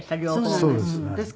そうです。